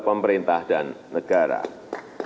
pemerintah dan pemerintah pemerintah